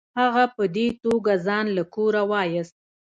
هغه په دې توګه ځان له کوره وایست.